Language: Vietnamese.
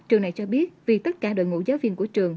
trường này cho biết vì tất cả đội ngũ giáo viên của trường